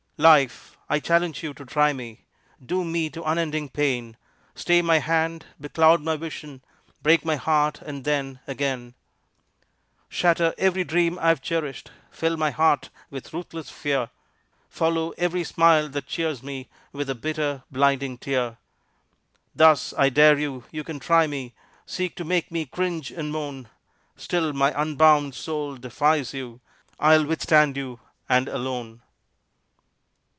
Life, I challenge you to try me, Doom me to unending pain; Stay my hand, becloud my vision, Break my heart and then again. Shatter every dream I've cherished, Fill my heart with ruthless fear; Follow every smile that cheers me With a bitter, blinding tear. Thus I dare you; you can try me, Seek to make me cringe and moan, Still my unbound soul defies you, I'll withstand you and, alone!